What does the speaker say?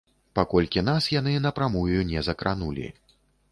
Паколькі нас яны напрамую не закранулі.